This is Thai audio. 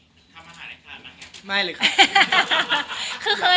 ทำอาหารให้ทานบ้างไง